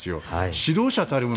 指導者たるもの